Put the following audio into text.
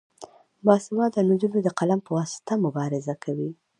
باسواده نجونې د قلم په واسطه مبارزه کوي.